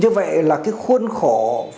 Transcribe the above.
như vậy là cái khuôn khổ